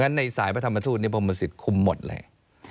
ในสายพระธรรมทูตนี้พระพรหมสิตคลุมหมดเลย